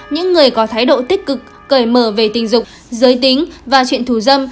những người có thái độ tích cực cởi mở về tình dục giới tính và chuyện thủ dâm